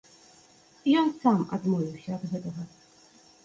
Ён сам адмовіўся ад гэтага.